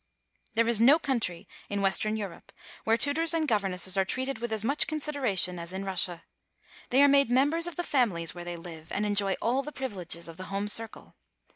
There is no country in Western Europe where tutors and governesses are treated with as much consideration as in Russia. The^^ are made mem bers of the families where they live, and enjoy all the privileges of the home circle.